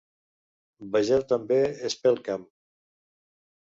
Vegeu també Espelkamp.